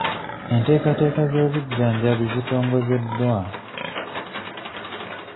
Enteekateeka z'obujjanjabi zitongozeddwa.